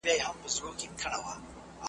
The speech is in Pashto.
ستا په صبر کي بڅری د پېغور دی .